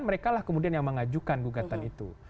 mereka lah kemudian yang mengajukan gugatan itu